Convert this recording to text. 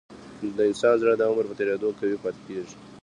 د انسان زړه د عمر په تیریدو قوي پاتې کېږي.